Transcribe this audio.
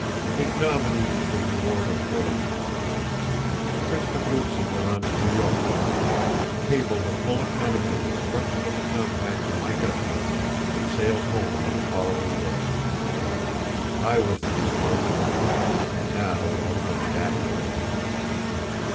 "Ignominy is the reward of failure. Prince d'Abruzzi went on to New York that night, cabled a full account of the destruction of the compact to my government, and sailed home on the following day. I was the responsible one, and now it all comes back on me."